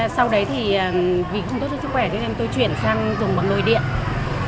sau đấy thì vì không tốt cho sức khỏe nên tôi chuyển sang dùng nồi điện